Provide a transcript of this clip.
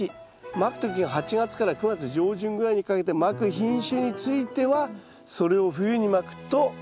まく時が８月から９月上旬ぐらいにかけてまく品種についてはそれを冬にまくと。